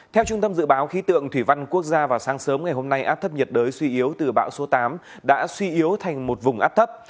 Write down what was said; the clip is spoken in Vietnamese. theo trung tâm dự báo khí tượng thủy văn quốc gia vào sáng sớm ngày hôm nay áp thấp nhiệt đới suy yếu từ bão số tám đã suy yếu thành một vùng áp thấp